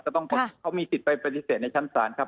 เขามีสิทธิ์ไปปฏิเสธในชั้นศาลครับ